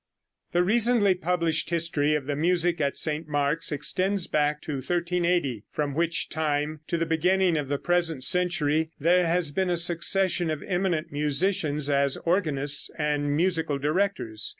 The recently published history of the music in St. Mark's extends back to 1380, from which time to the beginning of the present century there has been a succession of eminent musicians as organists and musical directors.